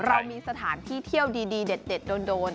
เรามีสถานที่เที่ยวดีเด็ดโดน